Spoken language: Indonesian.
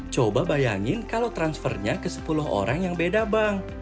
coba bayangin kalau transfernya ke sepuluh orang yang beda bang